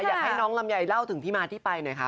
อยากให้น้องลำไยเล่าถึงที่มาที่ไปหน่อยค่ะ